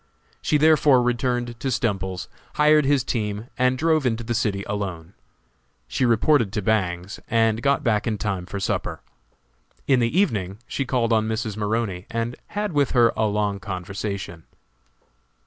She therefore returned to Stemples's, hired his team and drove into the city alone. She reported to Bangs, and got back in time for supper. In the evening she called on Mrs. Maroney and had with her a long conversation.